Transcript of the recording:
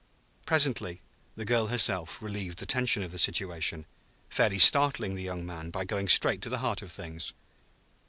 Presently the girl herself relieved the tension of the situation, fairly startling the young man by going straight to the heart of things.